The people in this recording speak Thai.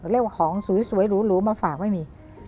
เรียกว่าของสวยหรูมาฝากไม่มี